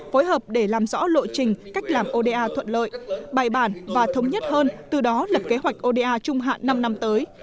phối hợp để làm rõ lộ trình cách làm oda thuận lợi bài bản và thống nhất hơn từ đó lập kế hoạch oda trung hạn năm năm tới